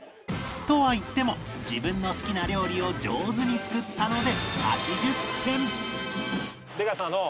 とはいっても自分の好きな料理を上手に作ったので